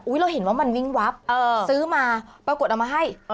เราเห็นว่ามันวิ่งวับซื้อมาปรากฏเอามาให้